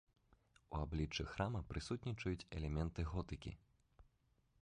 У абліччы храма прысутнічаюць элементы готыкі.